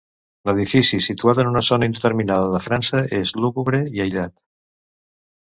L'edifici, situat en una zona indeterminada de França, és lúgubre i aïllat.